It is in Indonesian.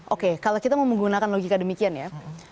oke kalau kita mau menggunakan logika demikian ya